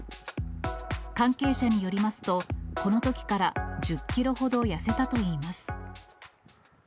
関係者によりますと、このときから１０キロほど痩せたといいます。